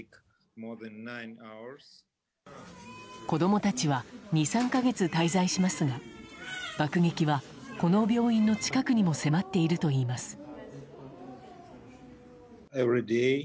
子供たちは２３か月滞在しますが、爆撃はこの病院の近くにも迫っているといいます。